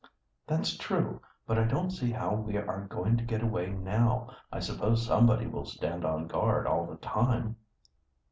"That's true, but I don't see how we are going to get away now. I suppose somebody will stand on guard all the time."